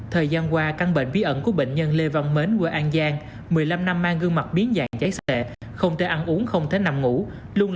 thời gian qua căn bệnh bí ẩn của bệnh nhân lê văn mến quê an giang một mươi năm năm mang gương mặt biến dạng giấy sệ không thể ăn uống không thể nằm ngủ